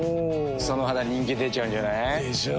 その肌人気出ちゃうんじゃない？でしょう。